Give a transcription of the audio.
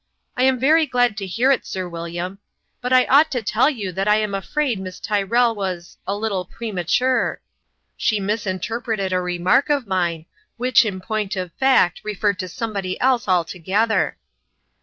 " I am very glad to hear it, Sir William ; but but I ought to tell you that I am afraid Miss Tyrrell was a little premature. She misinterpreted a re mark of mine, which, in point of fact, referred to somebody else altogether."